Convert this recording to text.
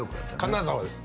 金沢です